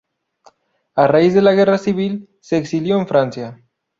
A raíz de la guerra civil se exilió en Francia.